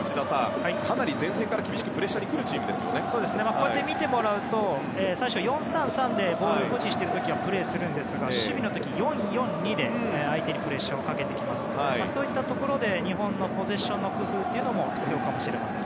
こうして、見てもらうと最初４−３−３でボールを保持している時は来るんですが守備の時、４−４−２で相手にプレッシャーをかけてきますのでそういったところで日本のポゼッションの工夫も必要かもしれません。